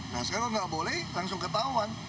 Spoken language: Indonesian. nah sekarang nggak boleh langsung ketahuan